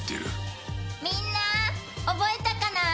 みんな覚えたかな？